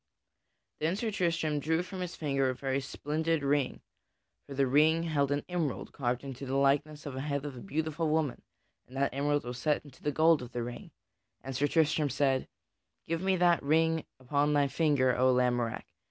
Then Sir Tristram drew from his finger a very splendid ring (for the ring held an emerald carved into the likeness of the head of a beautiful woman, and that emerald was set into the gold of the ring) and Sir Tristram said: "Give me that ring upon thy finger, O Lamorack!